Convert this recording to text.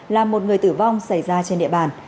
làm một người tử vong xảy ra trên địa bàn